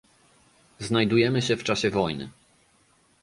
Znajdujemy się w czasie wojny